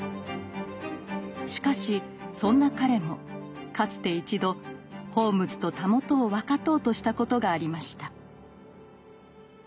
しかしそんな彼もかつて一度ホームズと袂を分かとうとしたことがありました。